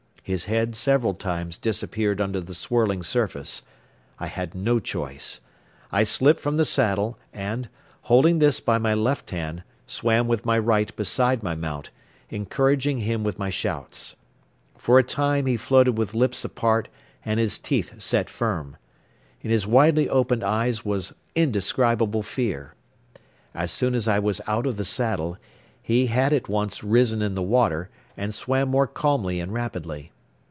His head several times disappeared under the swirling surface. I had no choice. I slipped from the saddle and, holding this by my left hand, swam with my right beside my mount, encouraging him with my shouts. For a time he floated with lips apart and his teeth set firm. In his widely opened eyes was indescribable fear. As soon as I was out of the saddle, he had at once risen in the water and swam more calmly and rapidly.